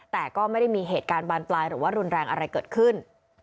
แต่ก็ไม่ได้มีเหตุการณ์บานปลายหรือว่ารุนแรงอะไรเกิดขึ้น